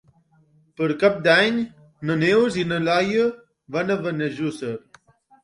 Per Cap d'Any na Neus i na Laia van a Benejússer.